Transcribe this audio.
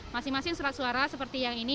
masing masing surat suara seperti yang ini